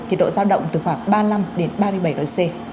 nhiệt độ giao động từ khoảng ba mươi năm đến ba mươi bảy độ c